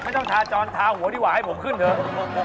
ไม่ต้องทาจรทาหัวที่หวายให้ผมขึ้นเถอะ